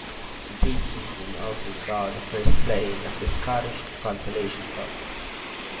This season also saw the first playing of the Scottish Consolation Cup.